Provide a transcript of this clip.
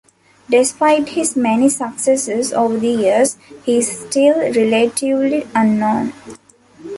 Despite his many successes over the years, he is still relatively unknown.